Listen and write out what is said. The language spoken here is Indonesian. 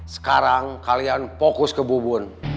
sekarang kalian fokus ke bubun